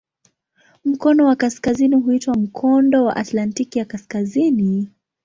Mkono wa kaskazini huitwa "Mkondo wa Atlantiki ya Kaskazini".